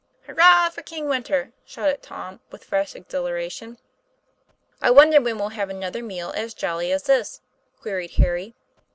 "Hurrah for King Winter!" shouted Tom with fresh exhilaration. " I wonder when we'll have another meal as jolly as this?" queried Harry.